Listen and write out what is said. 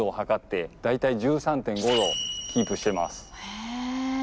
へえ。